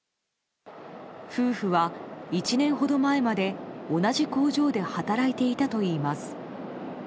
夫婦は１年ほど前まで同じ工場で働いていたといいます。